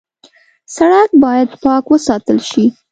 سړک باید پاک وساتل شي.